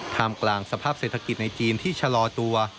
มกลางสภาพเศรษฐกิจในจีนที่ชะลอตัว